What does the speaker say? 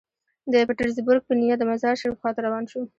د پیټرزبورګ په نیت د مزار شریف خوا ته روان شو.